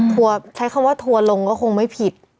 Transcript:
ใช้คำว่าทัวร์ลงก็คงไม่ผิด